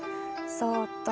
そうっと